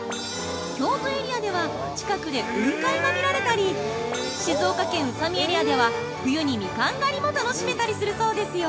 京都エリアでは近くで雲海が見られたり静岡県・宇佐美エリアでは冬にミカン狩りも楽しめたりするそうですよ。